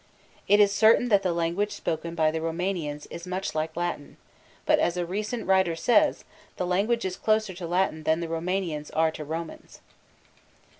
It is certain that the language spoken by the Roumanians is much like Latin, but, as a recent writer says, the language is closer to Latin than the Roumanians are to Romans.